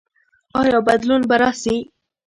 ایا بدلون به راسي؟